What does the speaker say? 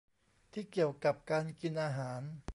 ที่เกี่ยวกับการกินอาหาร